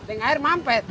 dengan air mampet